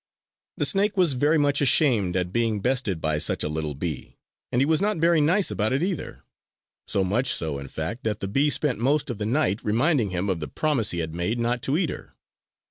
The snake was very much ashamed at being bested by such a little bee; and he was not very nice about it either. So much so, in fact, that the bee spent most of the night reminding him of the promise he had made not to eat her.